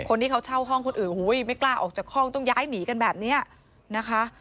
คนที่เขาเช่าห้องคนอื่นไม่กล้าออกจากห้องต้องย้ายหนีกันแบบนี้นะคะ